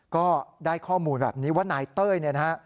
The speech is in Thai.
ก็ได้ข้อมูลแบบนี้ว่านายเต้ย